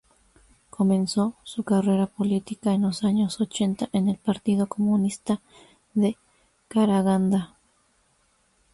Comenzó su carrera política en los años ochenta en el partido comunista de Karagandá.